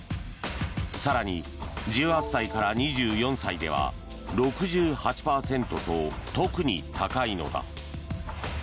更に１８歳から２４歳では６８％と、特に高いのだ。